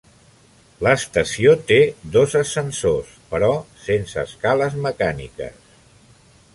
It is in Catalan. L'estació té dos ascensors però sense escales mecàniques.